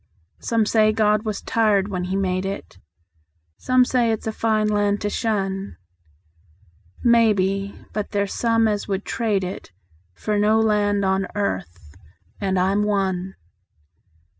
Some say God was tired when He made it; Some say it's a fine land to shun; Maybe; but there's some as would trade it For no land on earth and I'm one.